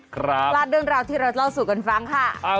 พลาดเรื่องราวที่เราเล่าสู่กันฟังค่ะ